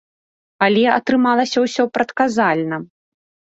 Але атрымалася ўсё прадказальна.